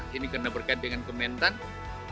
dan ya ini kena berkait dengan kementerian pertanian